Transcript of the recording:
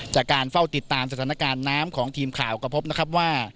จากการเฝ้าติดตามสถานการณ์น้ำของทีมข่าวก็พบนะครับว่า